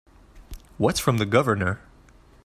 What's from the Governor?